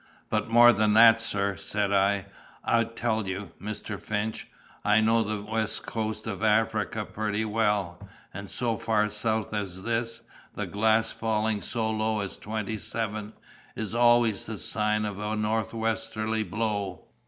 But more than that, sir,' said I, 'I tell you, Mr. Finch, I know the west coast of Africa pretty well—and so far south as this, the glass falling so low as twenty seven, is always the sign of a nor'westerly blow!